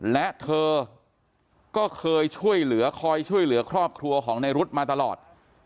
และเธอก็เคยช่วยเหลือคอยช่วยเหลือครอบครัวของในรุ๊ดมาตลอด